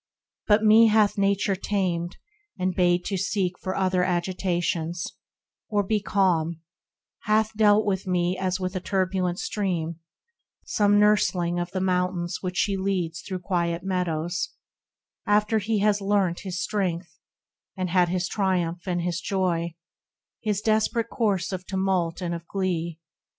But me hath Nature tamed, and bade to seek For other agitations, or be calm ; Hath dealt with me as with a turbulent stream, Some nursling of the mountains which she leads Through quiet meadows, after he has learnt His strength, and had his triumph and his joy, His desperate course of tumult and of glee.